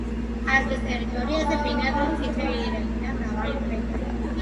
პარკის ტერიტორიაზე ბინადრობს წითელი ირემი და მრავალი ფრინველი.